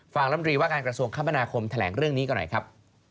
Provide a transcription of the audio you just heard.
ลำรีว่าการกระทรวงคมนาคมแถลงเรื่องนี้ก่อนหน่อยครับ